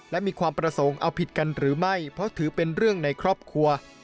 และมีความประสงค์เอาผิดกันหรือไม่เพราะถือเป็นเรื่องในครอบครัว